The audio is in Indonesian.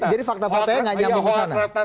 jadi fakta faktanya nggak nyambung ke sana